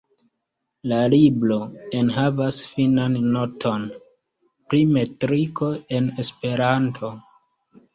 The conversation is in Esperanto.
La libro enhavas finan noton pri metriko en Esperanto.